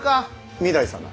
御台様。